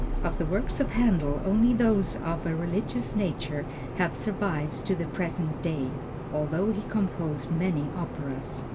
Of the works of Händel, only those of a religious nature have survived to the present day, although he composed many operas.